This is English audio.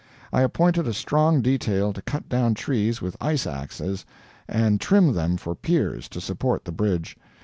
I appointed a strong detail to cut down trees with ice axes and trim them for piers to support the bridge.